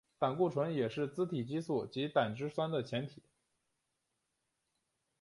胆固醇也是甾体激素及胆汁酸的前体。